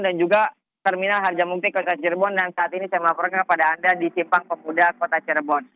dan juga terminal harjamumpik kota cirebon dan saat ini saya melaporkan kepada anda di simpang pemuda kota cirebon